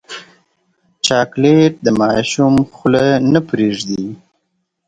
چاکلېټ د ماشوم خوله نه پرېږدي.